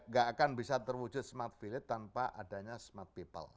gak akan bisa terwujud smart village tanpa adanya smart people